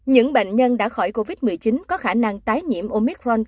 những bệnh nhân đã khỏi covid một mươi chín có khả năng tái nhiễm omicron